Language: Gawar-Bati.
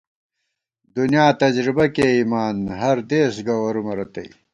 دُنیا تجربہ کېئیمان، ہر دېس گوَرُومہ رتئ